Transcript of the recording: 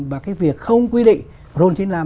và cái việc không quy định rôn chín mươi năm